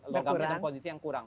logamnya dalam posisi yang kurang